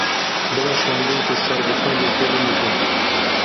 Bila şandeyeke serbixwe lêkolîn bike